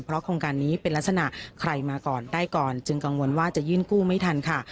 เพราะโครงการนี้เป็นลักษณะใครมาก่อนได้ก่อนจึงกังวลว่าจะยื่นกู้ไม่ทันค่ะ